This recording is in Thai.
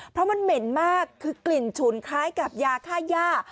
เพราะมันเหม็นมากคือกลิ่นฉุนคล้ายกับยาค่าย่า